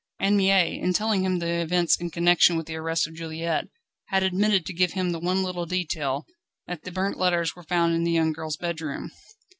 Anne Mie, in telling him the events in connection with the arrest of Juliette, had omitted to give him the one little detail, that the burnt letters were found in the young girl's bedroom.